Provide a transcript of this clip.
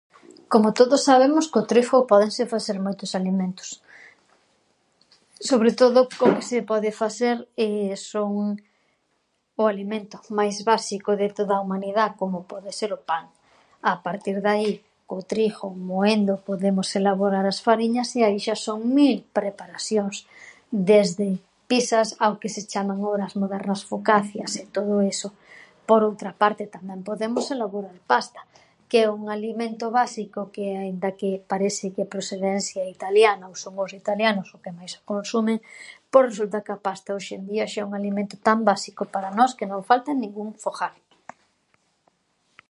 Como todos sabemos co trigho pódense faser moitos alimentos, sobre todo o que se pode faser son, o alimento máis básico de toda a humanidá como pode ser o pan, a partir de aí, o trigho, moéndoo podemos elaborar as fariñas e aí xa son mil preparasións, desde pisas ao que se chaman ahora as modernas focaccias e todo eso. Por outra parte, tamén podemos elaborar pasta que é un alimento básico que, aínda que parese que a prosedencia é italiana ou son os italianos os que máis a consumen, pois resulta que a pasta hoxe en día xa é un alimento tan básico para nós que non falta en ningún foghar.